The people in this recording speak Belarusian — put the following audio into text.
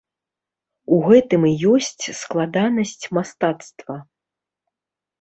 У гэтым і ёсць складанасць мастацтва.